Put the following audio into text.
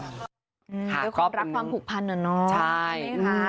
ความรักความผูกพันเหรอเนาะ